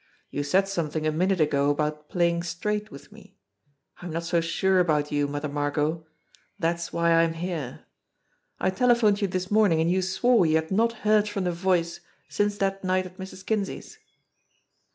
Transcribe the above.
"You said something a minute ago about playing straight with me. I'm not so sure about you, Mother Margot. That's why I'm here. I tele phoned you this morning, and you swore you had not heard from the Voice since that night at Mrs. Kinsey's."